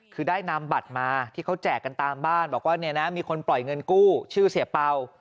คือได้นำบัตรมาที่เขาแจกกันตามบ้านบอกว่าเนี่ยนะมีคนปล่อยเงินกู้ชื่อเสียเป่า